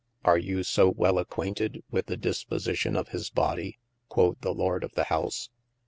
Are you so well acquainted with the dispositio of his body (quod the Lord of ye house